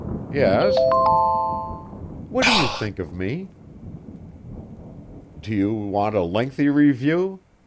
"Yes." "What do you think of me?" "Do you want a lengthy review?"